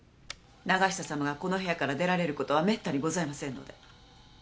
永久様がこの部屋から出られる事はめったにございませんので。